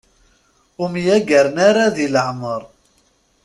Ur myagaren ara di leɛmer.